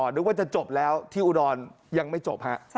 นึกว่าจะจบแล้วที่อุดรยังไม่จบฮะ